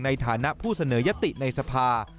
ในฐานะผู้เสนอยติในสภา